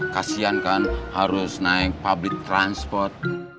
kasian kan harus naik public transport